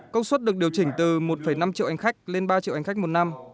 công suất được điều chỉnh từ một năm triệu anh khách lên ba triệu anh khách một năm